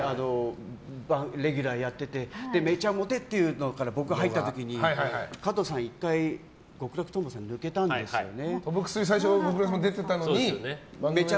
そのあとに「めちゃモテ」っていうのから僕が入った時に加藤さん１回、極楽とんぼさん抜けたんですよね。